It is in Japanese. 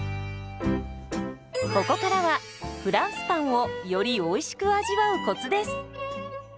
ここからはフランスパンをよりおいしく味わうコツです。